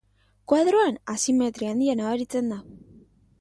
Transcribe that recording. Koadroan asimetria handia nabaritzen da.